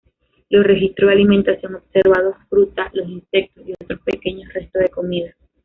Los registros de alimentación observados fruta, los insectos y otros pequeños resto de comida.